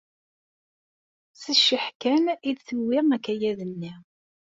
S cceḥ kan ay d-tewwi akayad-nni.